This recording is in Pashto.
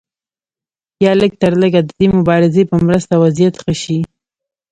یا لږترلږه د دې مبارزې په مرسته وضعیت ښه شي.